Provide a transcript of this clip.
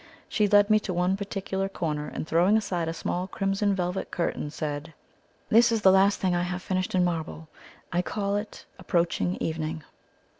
She led me to one particular corner; and, throwing aside a small crimson velvet curtain, said: "This is the last thing I have finished in marble. I call it 'Approaching Evening.'"